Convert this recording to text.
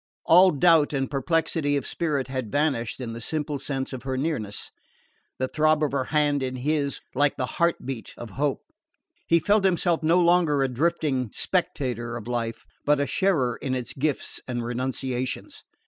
All doubt and perplexity of spirit had vanished in the simple sense of her nearness. The throb of her hand in his was like the heart beat of hope. He felt himself no longer a drifting spectator of life but a sharer in its gifts and renunciations.